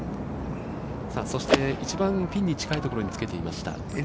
そして一番ピンに近いところにつけていました。